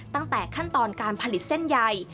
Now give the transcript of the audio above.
ตั้งแต่ขั้นตอนการผลิตเส้นใย